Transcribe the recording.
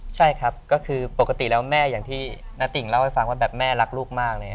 ใช่ครับก็คือปกติแล้วแม่อย่างที่ณติ่งเล่าให้ฟังว่าแบบแม่รักลูกมากเลย